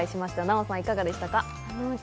奈緒さん、いかがでしたか？